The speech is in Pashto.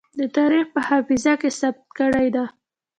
د تاريخ په حافظه کې ثبت کړې ده.